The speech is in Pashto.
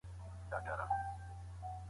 د نجلۍ کورنۍ علمي کچه څنګه معلومه کړو؟